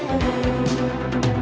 hẹn gặp lại